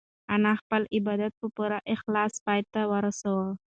انا خپل عبادت په پوره اخلاص پای ته ورساوه.